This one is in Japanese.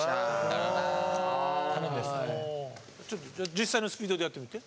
実際のスピードでやってみて。